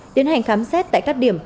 điện hành khám xét tại các điểm